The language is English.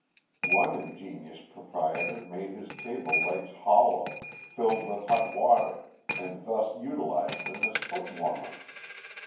One ingenious proprietor made his table legs hollow, filled with hot water, and thus utilized them as foot warmers.